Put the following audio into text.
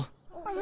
・え？